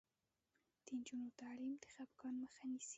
د نجونو تعلیم د خپګان مخه نیسي.